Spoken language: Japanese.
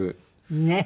ねえ。